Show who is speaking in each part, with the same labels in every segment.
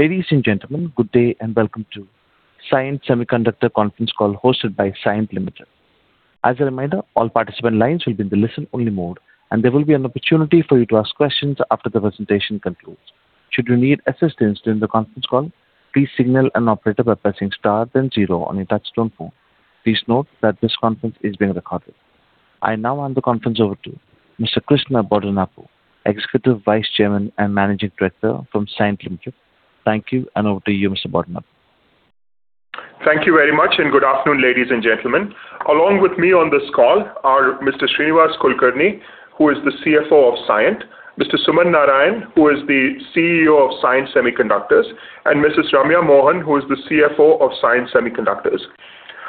Speaker 1: Ladies and gentlemen, good day and welcome to Cyient Semiconductors Conference Call hosted by Cyient Limited. As a reminder, all participant lines will be in listen-only mode, and there will be an opportunity for you to ask questions after the presentation concludes. Should you need assistance during the conference call, please signal n operator by pressing star then zero on your touch-tone phone. Please note that this conference is being recorded. I now hand the conference over to Mr. Krishna Bodanapu, Executive Vice Chairman and Managing Director from Cyient Limited. Thank you, and over to you, Mr. Bodanapu.
Speaker 2: Thank you very much, and good afternoon, ladies and gentlemen. Along with me on this call are Mr. Shrinivas Kulkarni, who is the CFO of Cyient, Mr. Suman Narayan, who is the CEO of Cyient Semiconductors, and Mrs. Ramya Mohan, who is the CFO of Cyient Semiconductors.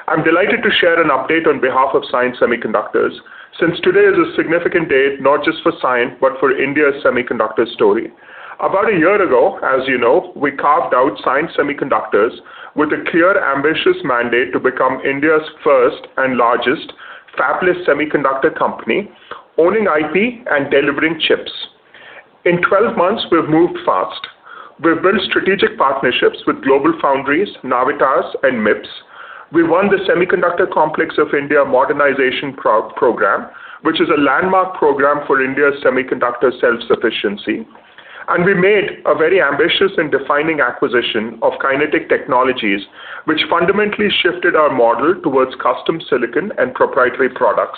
Speaker 2: I am delighted to share an update on behalf of Cyient Semiconductors, since today is a significant day, not just for Cyient, but for India's semiconductor story. About a year ago, as you know, we carved out Cyient Semiconductors with a clear, ambitious mandate to become India's first and largest fabless semiconductor company, owning IP and delivering chips. In 12 months, we've moved fast. We've built strategic partnerships with GlobalFoundries, Navitas, and MIPS. We won the Semiconductor Laboratory Modernization Program, which is a landmark program for India's semiconductor self-sufficiency. We made a very ambitious and defining acquisition of Kinetic Technologies, which fundamentally shifted our model towards custom silicon and proprietary products.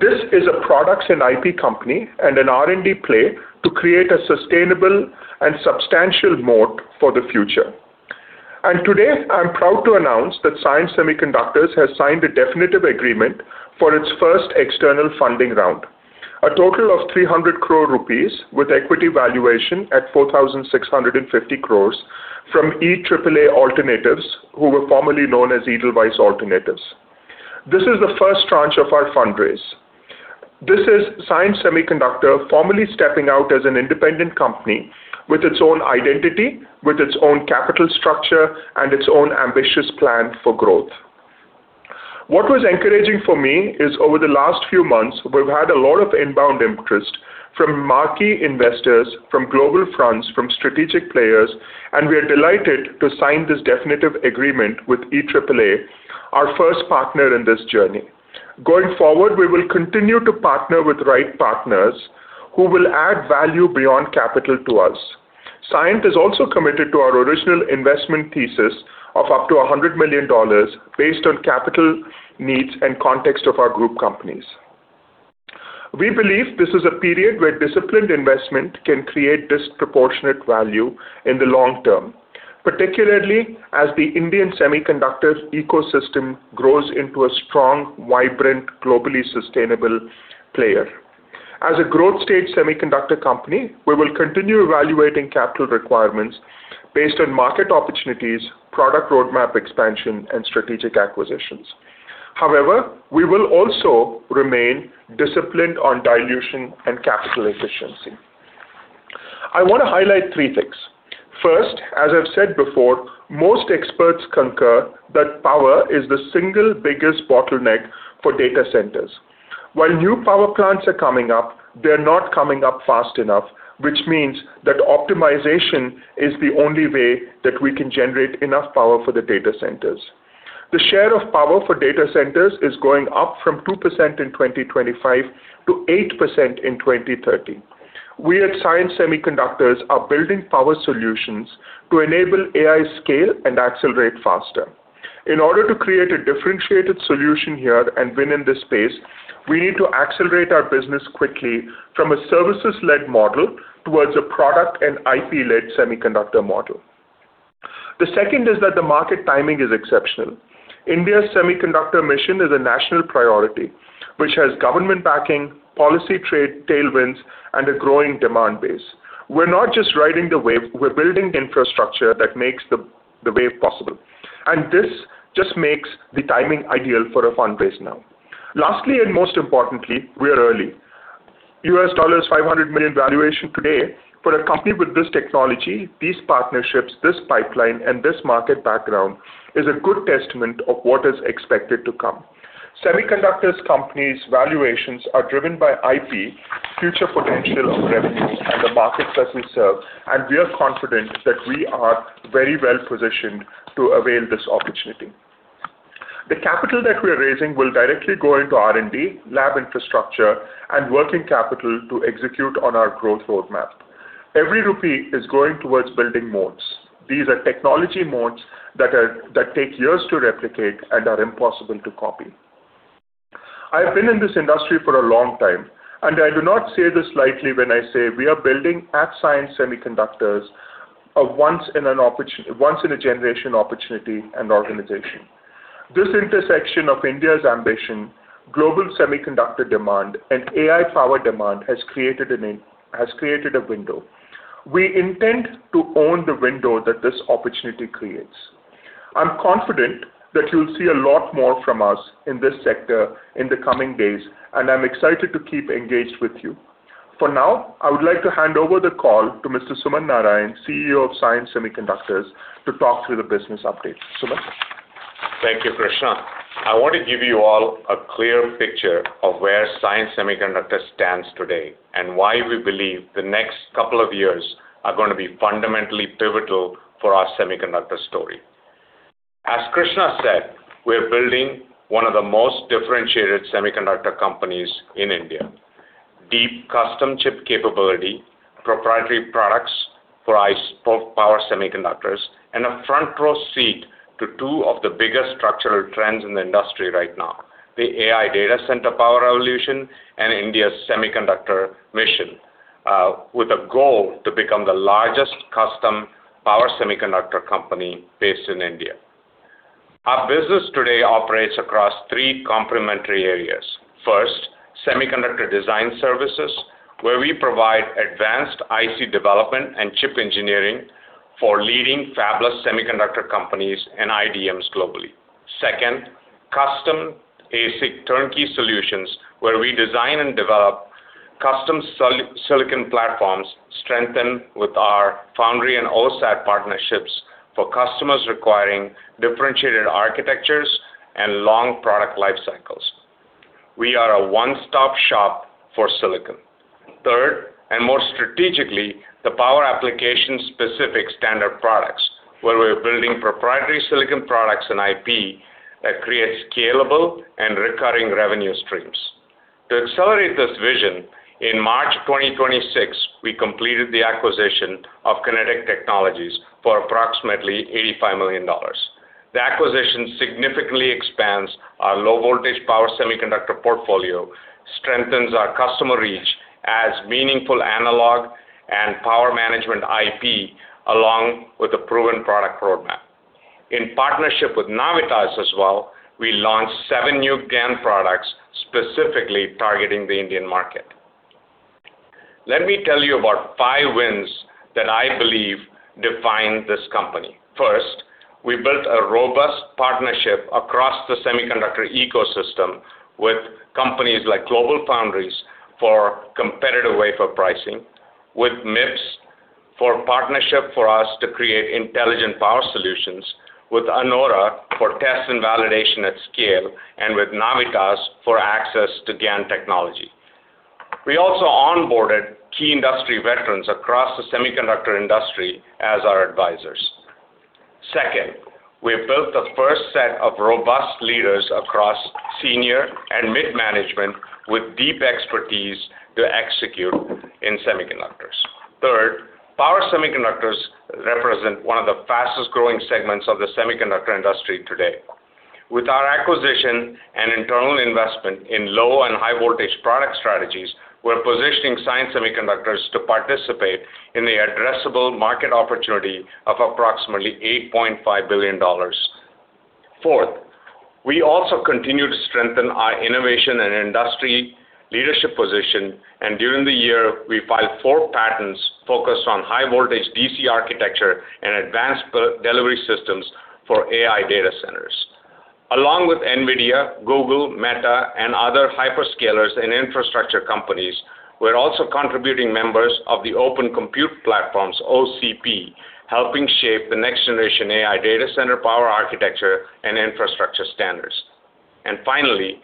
Speaker 2: This is a products and IP company and an R&D play to create a sustainable and substantial moat for the future. Today, I am proud to announce that Cyient Semiconductors has signed a definitive agreement for its first external funding round. A total of 300 crore rupees with equity valuation at 4,650 crore from EAAA Alternatives, who were formerly known as Edelweiss Alternative. This is the first tranche of our fundraise. This is Cyient Semiconductors formally stepping out as an independent company with its own identity, with its own capital structure, and its own ambitious plan for growth. What was encouraging for me is over the last few months, we've had a lot of inbound interest from marquee investors, from global firms, from strategic players, and we are delighted to sign this definitive agreement with EAAA, our first partner in this journey. Going forward, we will continue to partner with the right partners who will add value beyond capital to us. Cyient is also committed to our original investment thesis of up to $100 million based on capital needs and context of our group companies. We believe this is a period where disciplined investment can create disproportionate value in the long term, particularly as the Indian semiconductor ecosystem grows into a strong, vibrant, globally sustainable player. As a growth-stage semiconductor company, we will continue evaluating capital requirements based on market opportunities, product roadmap expansion, and strategic acquisitions. However, we will also remain disciplined on dilution and capital efficiency. I want to highlight three things. First, as I've said before, most experts concur that power is the single biggest bottleneck for data centers. While new power plants are coming up, they're not coming up fast enough, which means that optimization is the only way that we can generate enough power for the data centers. The share of power for data centers is going up from 2% in 2025 to 8% in 2030. We at Cyient Semiconductors are building power solutions to enable AI scale and accelerate faster. In order to create a differentiated solution here and win in this space, we need to accelerate our business quickly from a services-led model towards a product and IP-led semiconductor model. The second is that the market timing is exceptional. India's Semiconductor Mission is a national priority, which has government backing, policy tailwinds, and a growing demand base. We are not just riding the wave, we are building the infrastructure that makes the wave possible. This just makes the timing ideal for a fundraise now. Lastly, Most importantly, we are early. $500 million valuation today for a company with this technology, these partnerships, this pipeline, and this market background is a good testament of what is expected to come. Semiconductor companies' valuations are driven by IP, future potential of revenues, and the markets that we serve. We are confident that we are very well-positioned to avail this opportunity. The capital that we are raising will directly go into R&D, lab infrastructure, and working capital to execute on our growth roadmap. Every rupee is going towards building moats. These are technology moats that take years to replicate and are impossible to copy. I have been in this industry for a long time, and I do not say this lightly when I say we are building at Cyient Semiconductors, a once-in-a-generation opportunity and organization. This intersection of India's ambition, global semiconductor demand, and AI power demand has created a window. We intend to own the window that this opportunity creates. I am confident that you will see a lot more from us in this sector in the coming days, and I am excited to keep engaged with you. For now, I would like to hand over the call to Mr. Suman Narayan, CEO of Cyient Semiconductors, to talk through the business update. Suman?
Speaker 3: Thank you, Krishna. I want to give you all a clear picture of where Cyient Semiconductors stands today, and why we believe the next couple of years are going to be fundamentally pivotal for our semiconductor story. As Krishna said, we're building one of the most differentiated semiconductor companies in India. Deep custom chip capability, proprietary products for power semiconductors, and a front row seat to two of the biggest structural trends in the industry right now, the AI data center power revolution and India's Semiconductor Mission, with a goal to become the largest custom power semiconductor company based in India. Our business today operates across three complementary areas. First, semiconductor design services, where we provide advanced IC development and chip engineering for leading Fabless semiconductor companies and IDMs globally. Second, custom ASIC turnkey solutions, where we design and develop custom silicon platforms strengthened with our foundry and OSAT partnerships for customers requiring differentiated architectures and long product life cycles. We are a one-stop shop for silicon. Third, and most strategically, the power application-specific standard products where we're building proprietary silicon products and IP that create scalable and recurring revenue streams. To accelerate this vision, in March 2026, we completed the acquisition of Kinetic Technologies for approximately $85 million. The acquisition significantly expands our low-voltage power semiconductor portfolio, strengthens our customer reach as meaningful analog and power management IP, along with a proven product roadmap. In partnership with Navitas as well, we launched seven new GaN products specifically targeting the Indian market. Let me tell you about five wins that I believe define this company. First, we built a robust partnership across the semiconductor ecosystem with companies like GlobalFoundries for competitive wafer pricing, with MIPS for a partnership for us to create intelligent power solutions, with Anora for test and validation at scale, and with Navitas for access to GaN technology. We also onboarded key industry veterans across the semiconductor industry as our advisors. Second, we have built the first set of robust leaders across senior and mid management with deep expertise to execute in semiconductors. Third, power semiconductors represent one of the fastest-growing segments of the semiconductor industry today. With our acquisition and internal investment in low and high voltage product strategies, we're positioning Cyient Semiconductors to participate in the addressable market opportunity of approximately $8.5 billion. Fourth, we also continue to strengthen our innovation and industry leadership position, and during the year, we filed four patents focused on high voltage DC architecture and advanced delivery systems for AI data centers. Along with NVIDIA, Google, Meta, and other hyperscalers and infrastructure companies, we're also contributing members of the Open Compute Project, OCP, helping shape the next-generation AI data center power architecture and infrastructure standards. Finally,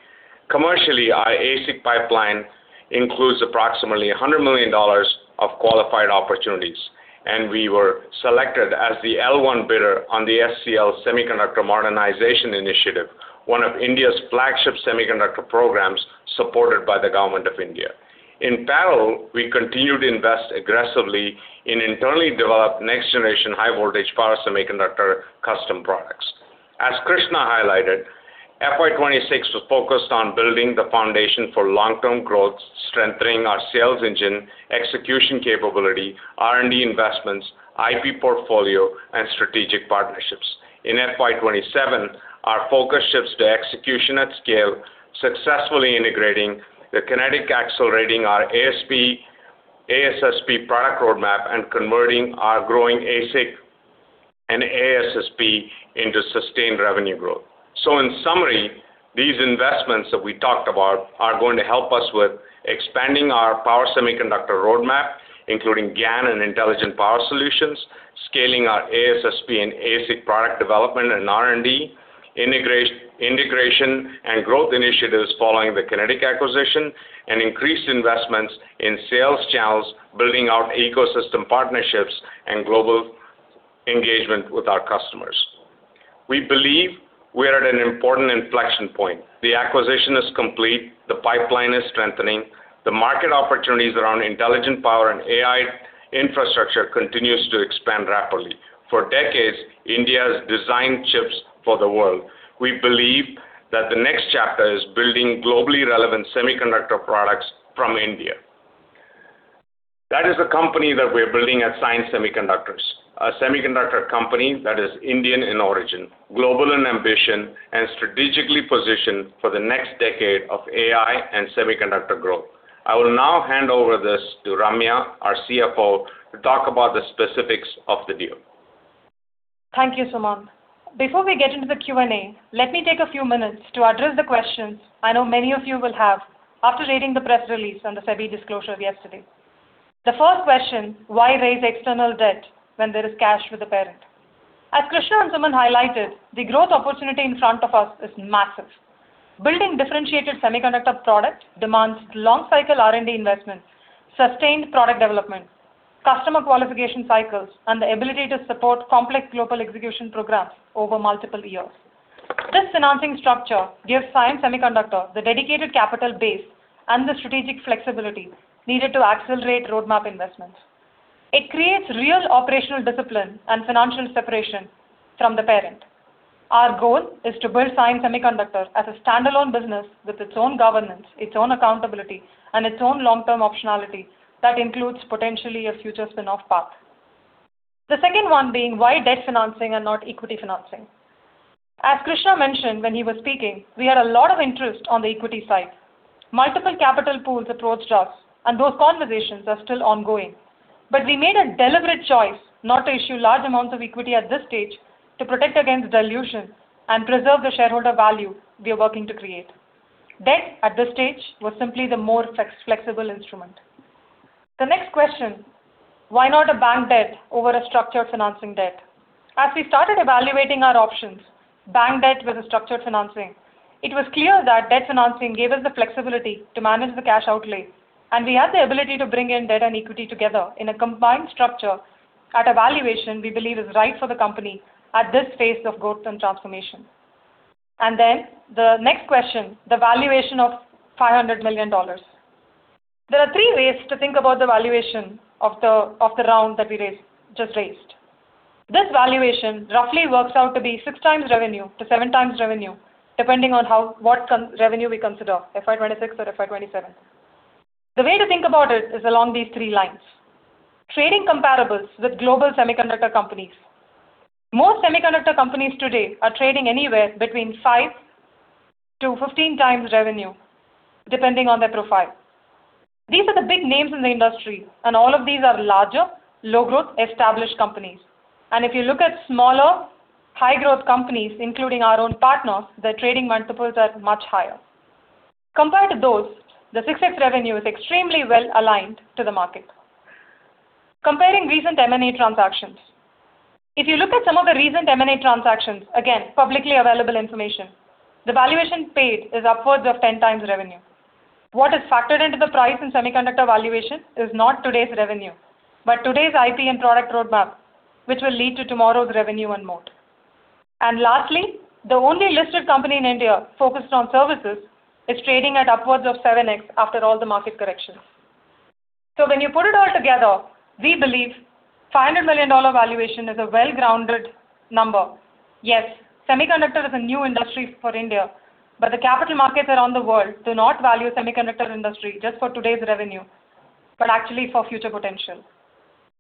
Speaker 3: commercially, our ASIC pipeline includes approximately $100 million of qualified opportunities, and we were selected as the L1 bidder on the Semi-Conductor Laboratory Modernization Initiative, one of India's flagship semiconductor programs supported by the government of India. In parallel, we continue to invest aggressively in internally developed next-generation high voltage power semiconductor custom products. As Krishna highlighted, FY 2026 was focused on building the foundation for long-term growth, strengthening our sales engine, execution capability, R&D investments, IP portfolio, and strategic partnerships. In FY 2027, our focus shifts to execution at scale, successfully integrating the Kinetic, accelerating our ASSP product roadmap, and converting our growing ASIC and ASSP into sustained revenue growth. In summary, these investments that we talked about are going to help us with expanding our power semiconductor roadmap, including GaN and intelligent power solutions, scaling our ASSP and ASIC product development and R&D, integration and growth initiatives following the Kinetic acquisition, and increased investments in sales channels, building out ecosystem partnerships and global engagement with our customers. We believe we are at an important inflection point. The acquisition is complete. The pipeline is strengthening. The market opportunities around intelligent power and AI infrastructure continues to expand rapidly. For decades, India has designed chips for the world. We believe that the next chapter is building globally relevant semiconductor products from India. That is a company that we are building at Cyient Semiconductors, a semiconductor company that is Indian in origin, global in ambition, and strategically positioned for the next decade of AI and semiconductor growth. I will now hand over this to Ramya, our CFO, to talk about the specifics of the deal.
Speaker 4: Thank you, Suman. Before we get into the Q&A, let me take a few minutes to address the questions I know many of you will have after reading the press release on the SEBI disclosure yesterday. The first question, why raise external debt when there is cash with the parent? As Krishna and Suman highlighted, the growth opportunity in front of us is massive. Building differentiated semiconductor products demands long-cycle R&D investments, sustained product development, customer qualification cycles, and the ability to support complex global execution programs over multiple years. This financing structure gives Cyient Semiconductors the dedicated capital base and the strategic flexibility needed to accelerate roadmap investments. It creates real operational discipline and financial separation from the parent. Our goal is to build Cyient Semiconductors as a standalone business with its own governance, its own accountability, and its own long-term optionality that includes potentially a future spin-off path. The second one being why debt financing and not equity financing. As Krishna mentioned when he was speaking, we had a lot of interest on the equity side. Multiple capital pools approached us, and those conversations are still ongoing. We made a deliberate choice not to issue large amounts of equity at this stage to protect against dilution and preserve the shareholder value we are working to create. Debt at this stage was simply the more flexible instrument. The next question, why not a bank debt over a structured financing debt? As we started evaluating our options, bank debt versus structured financing, it was clear that debt financing gave us the flexibility to manage the cash outlay, and we had the ability to bring in debt and equity together in a combined structure at a valuation we believe is right for the company at this phase of growth and transformation. The next question, the valuation of $500 million. There are three ways to think about the valuation of the round that we just raised. This valuation roughly works out to be 6x revenue to 7x revenue, depending on what revenue we consider, FY 2026 or FY 2027. The way to think about it is along these three lines. Trading comparables with global semiconductor companies. Most semiconductor companies today are trading anywhere between 5x to 15x revenue, depending on their profile. These are the big names in the industry, and all of these are larger, low-growth, established companies. If you look at smaller, high-growth companies, including our own partners, their trading multiples are much higher. Compared to those, the 6x revenue is extremely well-aligned to the market. Comparing recent M&A transactions. If you look at some of the recent M&A transactions, again, publicly available information, the valuation paid is upwards of 10x revenue. What is factored into the price in semiconductor valuation is not today's revenue, but today's IP and product roadmap, which will lead to tomorrow's revenue and more. Lastly, the only listed company in India focused on services is trading at upwards of 7x after all the market corrections. When you put it all together, we believe $500 million valuation is a well-grounded number. Yes, semiconductor is a new industry for India, but the capital markets around the world do not value semiconductor industry just for today's revenue, but actually for future potential.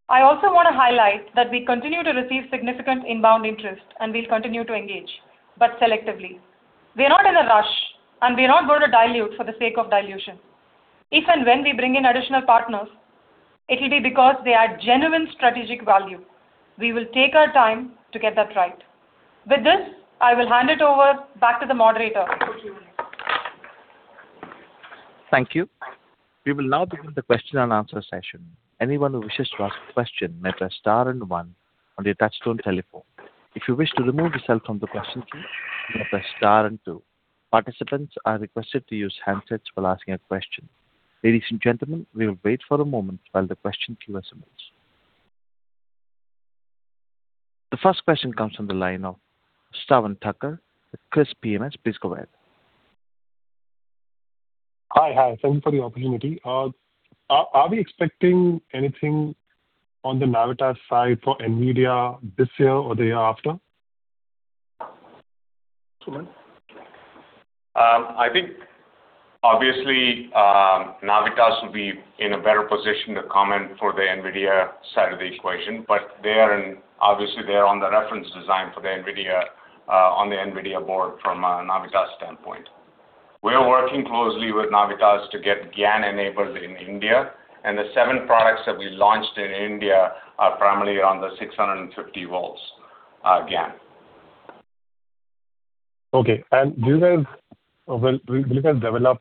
Speaker 4: I also want to highlight that we continue to receive significant inbound interest, and we continue to engage, but selectively. We are not in a rush, and we are not going to dilute for the sake of dilution. If and when we bring in additional partners, it will be because they add genuine strategic value. We will take our time to get that right. With this, I will hand it over back to the moderator. Thank you.
Speaker 1: The first question comes from the line of Sravan Thakur with CRISIL PMS. Please go ahead.
Speaker 5: Hi. Thank you for the opportunity. Are we expecting anything on the Navitas side for NVIDIA this year or the year after? Suman?
Speaker 3: I think, obviously, Navitas will be in a better position to comment for the NVIDIA side of the equation, but obviously, they're on the reference design for the NVIDIA, on the NVIDIA board from a Navitas standpoint. We are working closely with Navitas to get GaN enabled in India, and the seven products that we launched in India are primarily on the 650 volts GaN.
Speaker 5: Okay. Do you guys develop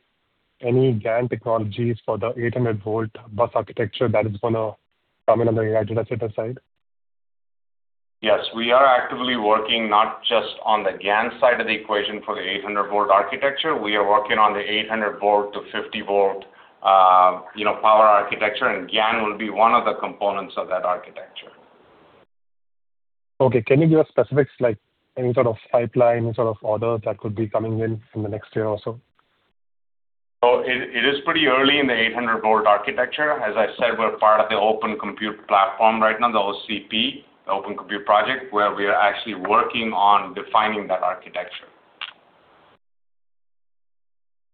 Speaker 5: any GaN technologies for the 800-volt bus architecture that is going to come in the data center side?
Speaker 3: Yes, we are actively working not just on the GaN side of the equation for the 800-volt architecture. We are working on the 800-volt to 50-volt power architecture, and GaN will be one of the components of that architecture.
Speaker 5: Okay. Can you give specifics, like any sort of pipeline, any sort of orders that could be coming in from the next year or so?
Speaker 3: It is pretty early in the 800-volt architecture. As I said, we're part of the Open Compute Project right now, the OCP, the Open Compute Project, where we are actually working on defining that architecture.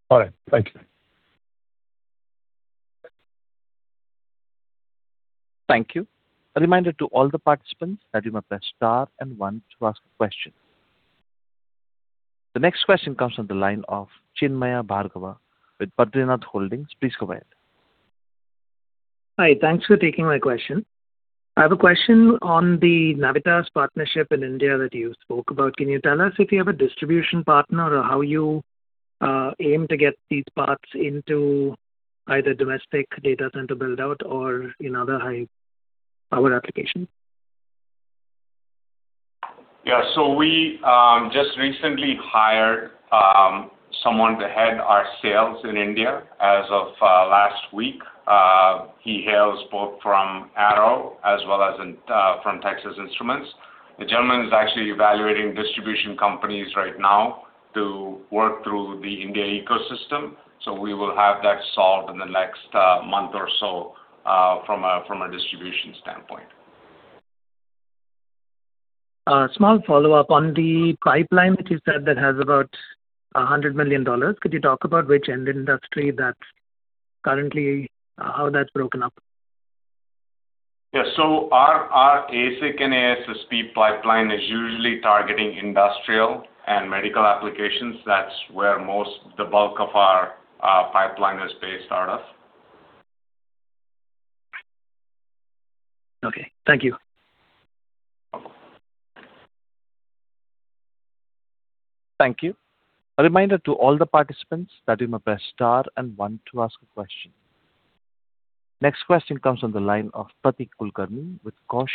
Speaker 5: All right. Thank you.
Speaker 1: Thank you. A reminder to all the participants that you may press star and one to ask a question. The next question comes from the line of Chinmaya Bhargava with Badrinath Holdings. Please go ahead.
Speaker 6: Hi. Thanks for taking my question. I have a question on the Navitas partnership in India that you spoke about. Can you tell us if you have a distribution partner or how you aim to get these parts into either domestic data center build-out or in other high power applications?
Speaker 3: Yeah. We just recently hired someone to head our sales in India as of last week. He hails both from Arrow as well as from Texas Instruments. The gentleman is actually evaluating distribution companies right now to work through the India ecosystem. We will have that solved in the next month or so from a distribution standpoint.
Speaker 6: A small follow-up on the pipeline that you said has about $100 million. Could you talk about which end industry that's currently, how that's broken up?
Speaker 3: Yeah. Our ASIC and ASSP pipeline is usually targeting industrial and medical applications. That's where most the bulk of our pipeline is based out of.
Speaker 6: Okay. Thank you.
Speaker 3: Welcome.
Speaker 1: Thank you. A reminder to all the participants that you may press star and one to ask a question. Next question comes on the line of Pratik Kulkarni with KOSH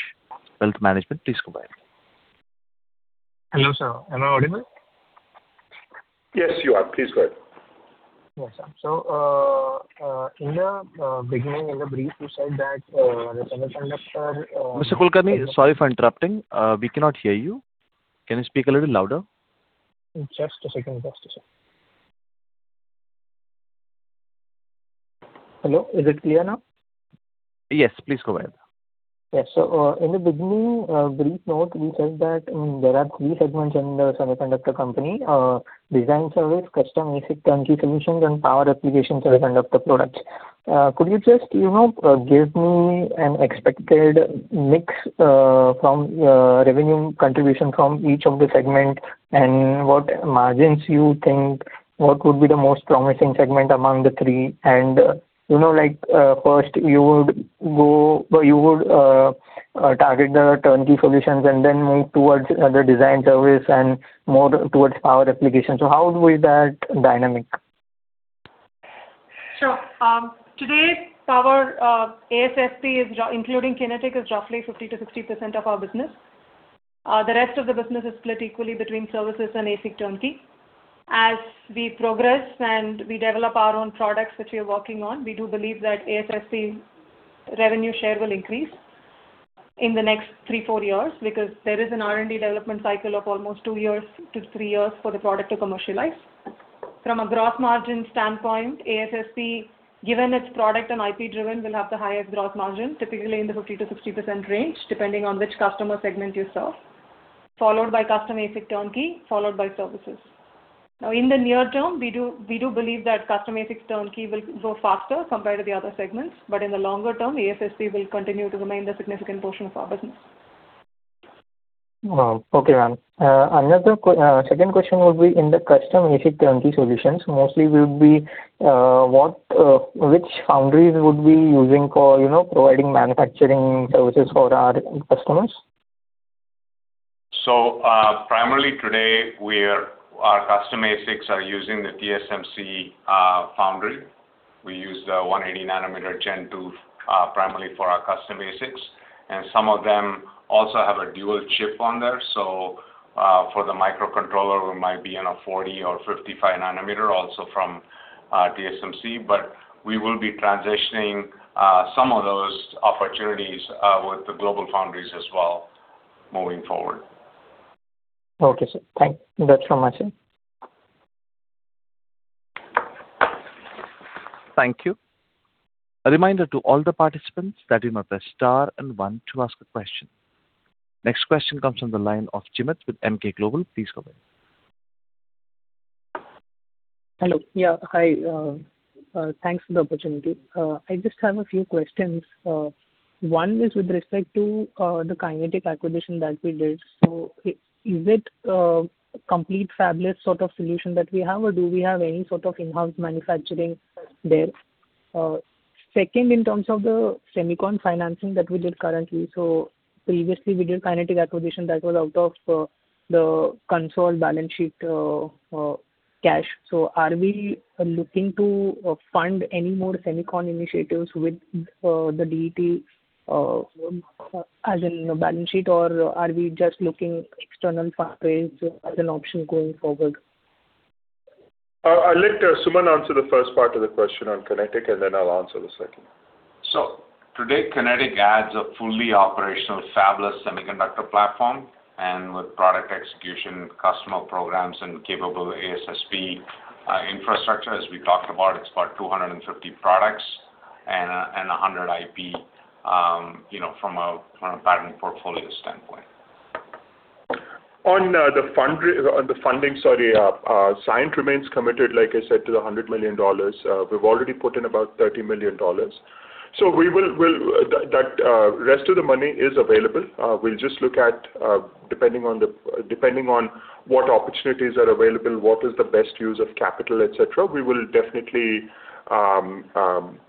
Speaker 1: WEALTH MANAGEMENT. Please go ahead.
Speaker 7: Hello, sir. Am I audible?
Speaker 2: Yes, you are. Please go ahead.
Speaker 7: Yes, sir. In the beginning of the brief you said that the semiconductor-.
Speaker 1: Mr. Kulkarni, sorry for interrupting. We cannot hear you. Can you speak a little louder?
Speaker 7: Just a second. Hello, is it clear now?
Speaker 1: Yes, please go ahead.
Speaker 7: In the beginning brief note, you said that there are three segments in the semiconductor company, design service, custom ASIC turnkey solutions, and power applications semiconductor products. Could you just give me an expected mix from revenue contribution from each of the segment and what margins you think would be the most promising segment among the three? First, you would target the turnkey solutions and then move towards the design service and more towards power applications. How is that dynamic?
Speaker 4: Sure. Today, our ASSP including Kinetic is roughly 50%-60% of our business. The rest of the business is split equally between services and ASIC turnkey. As we progress and we develop our own products, which we're working on, we do believe that ASSP revenue share will increase in the next three to four years because there is an R&D development cycle of almost two years to three years for the product to commercialize. From a gross margin standpoint, ASSP, given its product and IP driven, will have the highest gross margin, typically in the 50%-60% range, depending on which customer segment you serve, followed by custom ASIC turnkey, followed by services. Now, in the near term, we do believe that custom ASIC turnkey will grow faster compared to the other segments. In the longer term, ASSP will continue to remain the significant portion of our business.
Speaker 7: Wow, okay. Second question will be in the custom ASIC turnkey solutions, mostly will be which foundries we would be using for providing manufacturing services for our customers?
Speaker 3: Primarily today our custom ASICs are using the TSMC foundry. We use the 180 nm Gen 2 primarily for our custom ASICs, and some of them also have a dual chip on there. For the microcontroller, we might be on a 40 nm or 55 nm also from TSMC. We will be transitioning some of those opportunities with the GlobalFoundries as well moving forward.
Speaker 7: Okay, sir. Thank you. That's all my questions.
Speaker 1: Thank you. A reminder to all the participants that you may press star and one to ask a question. Next question comes on the line of Jimit with Emkay Global. Please go ahead.
Speaker 8: Hello. Yeah, hi. Thanks for the opportunity. I just have a few questions. One is with respect to the Kinetic acquisition that we did. Is it a complete fabless sort of solution that we have, or do we have any sort of enhanced manufacturing there? Second, in terms of the semicon financing that we did currently, previously we did Kinetic acquisition that was out of the console balance sheet cash. Are we looking to fund any more semicon initiatives with the DET as in a balance sheet, or are we just looking external partners as an option going forward?
Speaker 2: I'll let Suman answer the first part of the question on Kinetic, and then I'll answer the second.
Speaker 3: Today, Kinetic adds a fully operational fabless semiconductor platform and with product execution, customer programs, and capable ASSP infrastructure, as we talked about, it's about 250 products and 100 IP from a patent portfolio standpoint.
Speaker 2: On the funding, Cyient remains committed, like I said, to the $100 million. We've already put in about $30 million. The rest of the money is available. We'll just look at, depending on what opportunities are available, what is the best use of capital, et cetera. We will definitely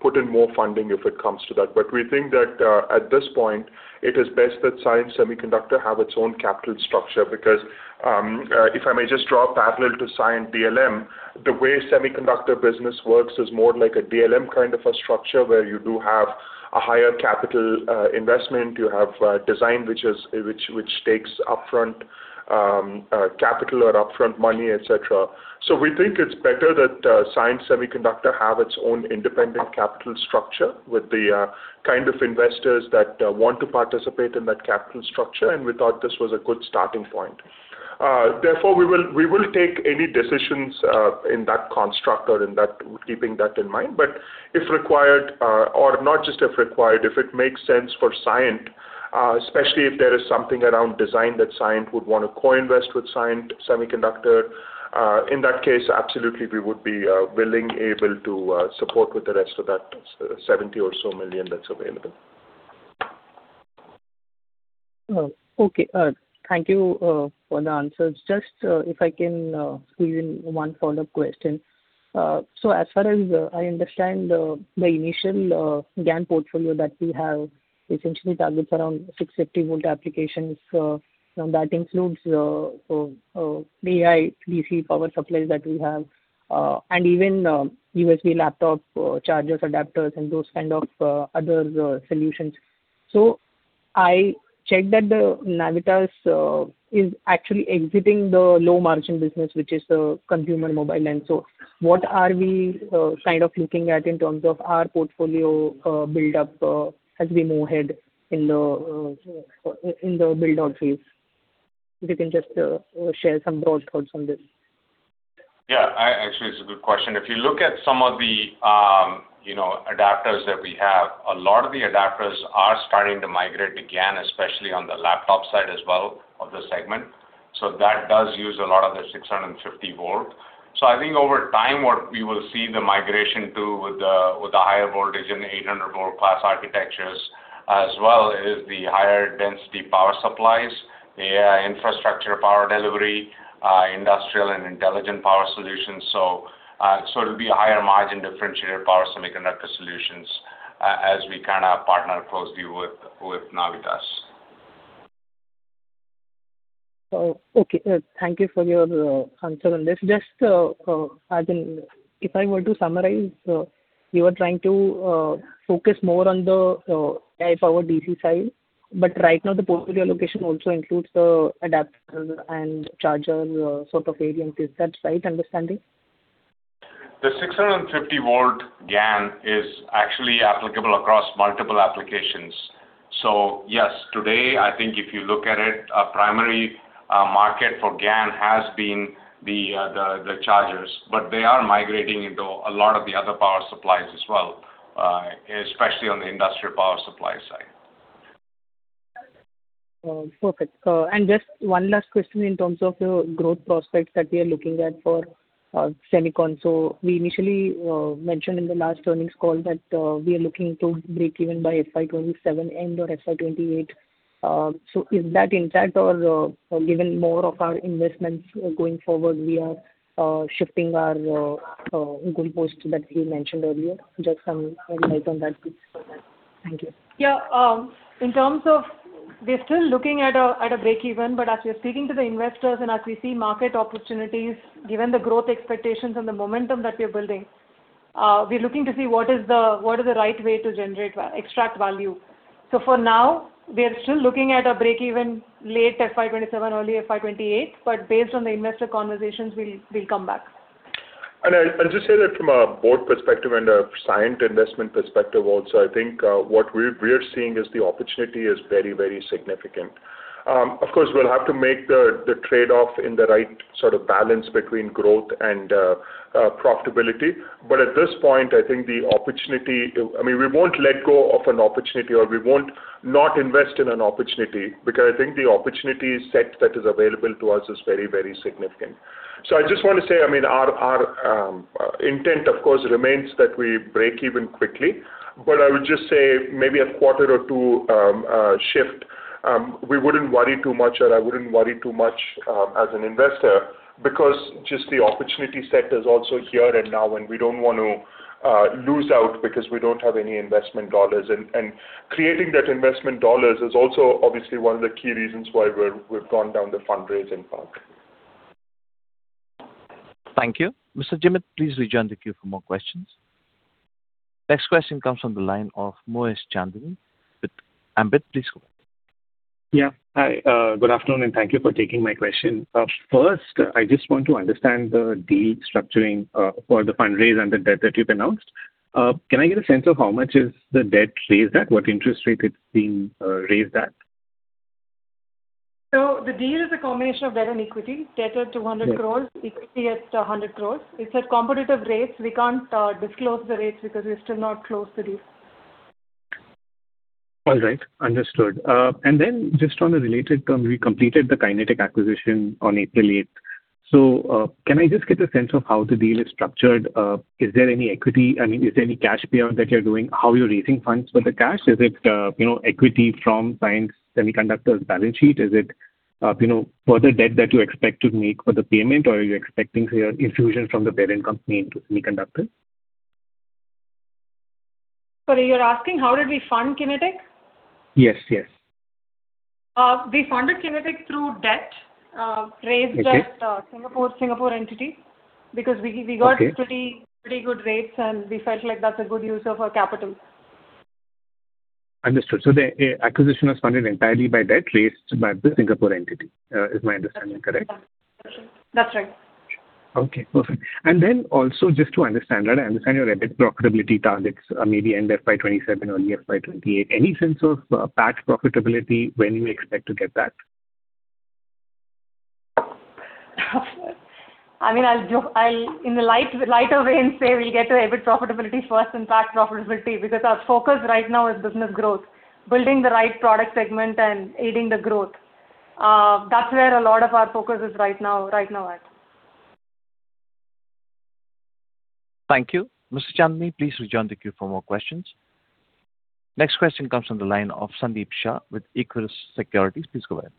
Speaker 2: put in more funding if it comes to that. We think that at this point, it is best that Cyient Semiconductors have its own capital structure. If I may just draw a parallel to Cyient DLM, the way semiconductor business works is more like a DLM kind of a structure, where you do have a higher capital investment, you have design which takes upfront capital or upfront money, et cetera. We think it's better that Cyient Semiconductors have its own independent capital structure with the kind of investors that want to participate in that capital structure. We thought this was a good starting point. Therefore, we will take any decisions in that construct or in keeping that in mind. If required, or not just if required, if it makes sense for Cyient, especially if there is something around design that Cyient would want to co-invest with Cyient Semiconductors, in that case, absolutely, we would be willing, able to support with the rest of that $70 million that's available.
Speaker 8: Okay. Thank you for the answers. Just if I can squeeze in one follow-up question. As far as I understand, the initial GaN portfolio that we have essentially targets around 650-volt applications. That includes AI, DC power supply that we have, and even USB laptop charger adapters and those kind of other solutions. I checked that the Navitas is actually exiting the low-margin business, which is the consumer mobile land. What are we looking at in terms of our portfolio buildup as we move ahead in the build-out phase? If you can just share some broad thoughts on this.
Speaker 3: Yeah. Actually, it's a good question. If you look at some of the adapters that we have, a lot of the adapters are starting to migrate to GaN, especially on the laptop side as well of the segment. That does use a lot of the 650 volt. I think over time, what we will see the migration to with the higher voltage in the 800-volt class architectures as well is the higher density power supplies, AI infrastructure power delivery, industrial and intelligent power solutions. It'll be higher margin differentiated power semiconductor solutions as we partner closely with Navitas.
Speaker 8: Okay. Thank you for your answer on this. Just if I want to summarize, you are trying to focus more on the power DC side, but right now the portfolio location also includes the adapter and charger sort of ODM. Is that the right understanding?
Speaker 2: The 650-volt GaN is actually applicable across multiple applications. Yes, today, I think if you look at it, a primary market for GaN has been the chargers, but they are migrating into a lot of the other power supplies as well, especially on the industrial power supply side.
Speaker 8: Perfect. Just one last question in terms of the growth prospects that we are looking at for semicon. We initially mentioned in the last earnings call that we are looking to break even by FY 2027 end or FY 2028. Is that intact or even more of our investments going forward, we are shifting our goal posts that we mentioned earlier? Just some light on that, please. Thank you.
Speaker 4: Yeah. In terms of, we are still looking at a break-even, but as we are speaking to the investors and as we see market opportunities, given the growth expectations and the momentum that we're building, we're looking to see what is the right way to generate extract value. For now, we are still looking at a break-even late FY 2027, early FY 2028. Based on the investor conversations, we'll come back.
Speaker 2: I'll just say that from a board perspective and a Cyient investment perspective also, I think what we are seeing is the opportunity is very significant. Of course, we'll have to make the trade-off in the right sort of balance between growth and profitability. At this point, I think we won't let go of an opportunity or we won't not invest in an opportunity because I think the opportunity set that is available to us is very significant. I just want to say, our intent, of course, remains that we break even quickly. I would just say maybe a quarter or two shift. We wouldn't worry too much or I wouldn't worry too much as an investor because just the opportunity set is also here and now and we don't want to lose out because we don't have any investment dollars. Creating that investment dollars is also obviously one of the key reasons why we've gone down the fundraising path.
Speaker 1: Thank you. Mr. Jimit, please join the queue for more questions. Next question comes from the line of Moez Chandani with Ambit. Please go ahead.
Speaker 9: Yeah. Hi, good afternoon. Thank you for taking my question. First, I just want to understand the deal structuring for the fundraise and the debt that you've announced. Can I get a sense of how much is the debt raised at? What interest rate it's being raised at?
Speaker 4: The deal is a combination of debt and equity. Debt of 200 crores, equity at 100 crores. It's at competitive rates. We can't disclose the rates because it's still not closed today.
Speaker 9: All right. Understood. Then just on a related term, you completed the Kinetic acquisition on April 8th. Can I just get a sense of how the deal is structured? Is there any equity? Is there any cash payout that you're doing? How are you raising funds for the cash? Is it equity from Cyient Semiconductor's balance sheet? Is it further debt that you expect to make for the payment, or are you expecting infusions from the parent company into Semiconductor?
Speaker 4: Sorry, you're asking how did we fund Kinetic?
Speaker 9: Yes.
Speaker 4: We funded Kinetic through debt.
Speaker 9: Okay
Speaker 4: raised by Singapore entity, because we got pretty good rates, and we felt like that's a good use of our capital.
Speaker 9: Understood. The acquisition was funded entirely by debt raised by the Singapore entity, is my understanding correct?
Speaker 4: That's right.
Speaker 9: Okay, perfect. Also just to understand, I know your profitability targets are maybe end of FY 2027 or year FY 2028. Any sense of path profitability, when you expect to get that?
Speaker 4: In a lighter vein say we get to EBIT profitability first, then path profitability, because our focus right now is business growth, building the right product segment and aiding the growth. That's where a lot of our focus is right now at.
Speaker 1: Thank you. Mr. Chandani, please rejoin the queue for more questions. Next question comes on the line of Sandeep Shah with Equirus Securities. Please go ahead.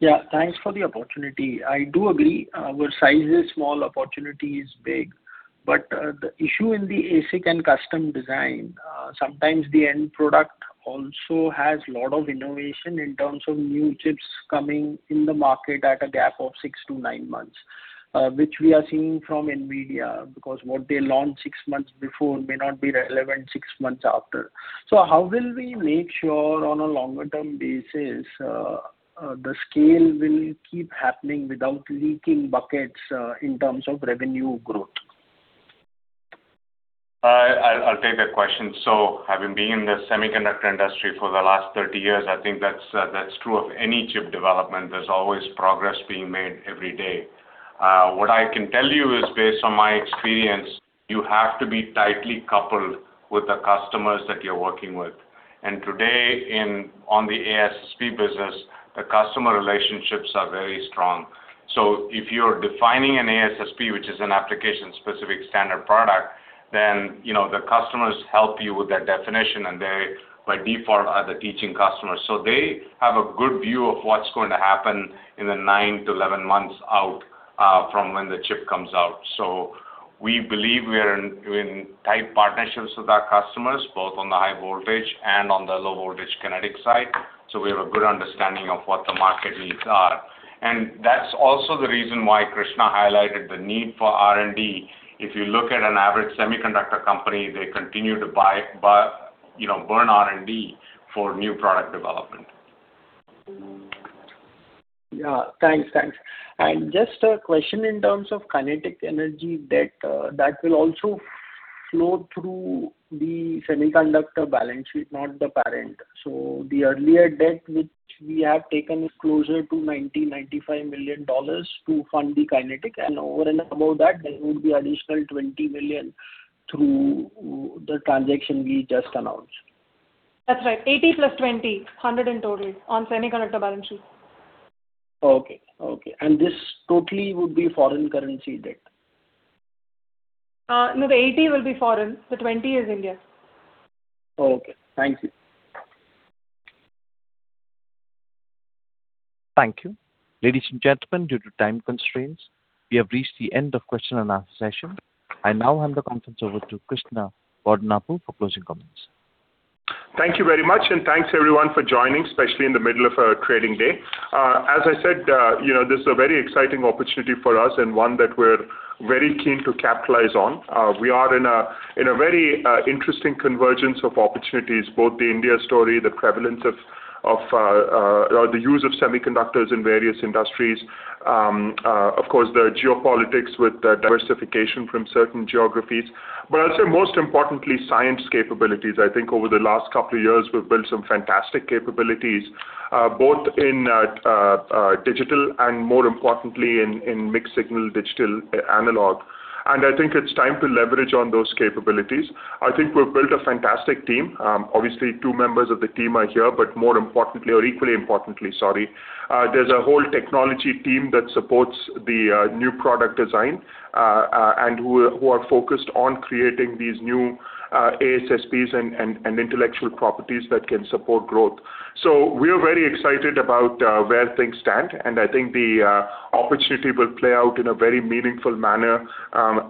Speaker 10: Yeah, thanks for the opportunity. I do agree our size is small, opportunity is big. The issue in the ASIC and custom design, sometimes the end product also has a lot of innovation in terms of new chips coming in the market at a gap of six to nine months, which we are seeing from NVIDIA, because what they launch six months before may not be relevant six months after. How will we make sure on a longer term basis, the scale will keep happening without leaking buckets in terms of revenue growth?
Speaker 3: I'll take that question. Having been in the semiconductor industry for the last 30 years, I think that's true of any chip development. There's always progress being made every day. What I can tell you is based on my experience, you have to be tightly coupled with the customers that you're working with. Today on the ASSP business, the customer relationships are very strong. If you're defining an ASSP, which is an application-specific standard product, then the customers help you with that definition, and they by default are the teaching customers. They have a good view of what's going to happen in the 9-11 months out, from when the chip comes out. We believe we are in tight partnerships with our customers, both on the high voltage and on the low voltage Kinetic side. We have a good understanding of what the market needs are. That's also the reason why Krishna highlighted the need for R&D. If you look at an average semiconductor company, they continue to burn R&D for new product development.
Speaker 10: Yeah. Thanks. Just a question in terms of Kinetic Technologies debt, that will also flow through the Cyient Semiconductors balance sheet, not the parent. The earlier debt which we have taken is closer to $90 million-$95 million to fund Kinetic Technologies and over and above that there will be additional $20 million through the transaction we just announced.
Speaker 4: That's right. 80+20, 100 in total on Semiconductor balance sheet.
Speaker 10: Okay. This totally would be foreign currency debt?
Speaker 4: No, the 80 will be foreign. The 20 is India.
Speaker 10: Okay. Thank you.
Speaker 1: Thank you. Ladies and gentlemen, due to time constraints, we have reached the end of question and answer session. I now hand the conference over to Krishna Bodanapu for closing comments.
Speaker 2: Thank you very much. Thanks everyone for joining, especially in the middle of a trading day. As I said, this is a very exciting opportunity for us and one that we're very keen to capitalize on. We are in a very interesting convergence of opportunities, both the India story, the prevalence of the use of semiconductors in various industries. The geopolitics with diversification from certain geographies. I'd say most importantly, Cyient's capabilities. I think over the last couple of years, we've built some fantastic capabilities, both in digital and more importantly in mixed signal digital analog. I think it's time to leverage on those capabilities. I think we've built a fantastic team. Obviously, two members of the team are here, but more importantly or equally importantly, sorry, there's a whole technology team that supports the new product design, and who are focused on creating these new ASSPs and intellectual properties that can support growth. We are very excited about where things stand, and I think the opportunity will play out in a very meaningful manner,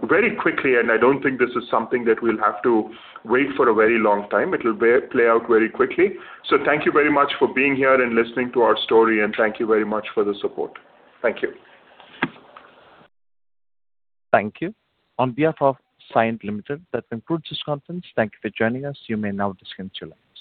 Speaker 2: very quickly. I don't think this is something that we'll have to wait for a very long time. It'll play out very quickly. Thank you very much for being here and listening to our story, and thank you very much for the support. Thank you.
Speaker 1: Thank you. On behalf of Cyient Limited, that concludes this conference. Thank you for joining us. You may now disconnect your line.